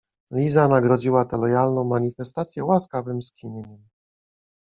Liza nagrodziła tę lojalną manifestację łaskawym skinieniem.